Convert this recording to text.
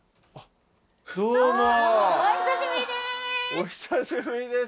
お久しぶりです。